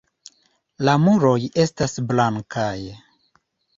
La muroj estas blankaj.